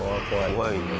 怖いね。